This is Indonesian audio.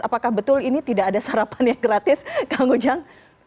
apakah betul ini tidak ada sarapan yang gratis kang ujang